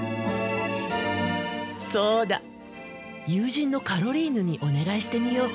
そうだ友人のカロリーヌにお願いしてみよう。